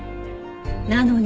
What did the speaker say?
なのに。